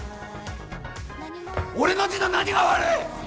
俺の字の何が悪い。